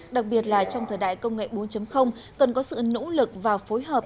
đặc biệt là trong thời đại công nghệ bốn cần có sự nỗ lực và phối hợp